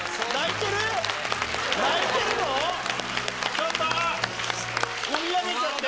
ちょっと込み上げちゃって？